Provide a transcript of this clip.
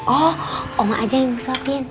oh oma aja yang disuapin